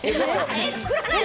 えっ？